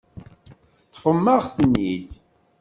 Teṭṭfem-aɣ-ten-id.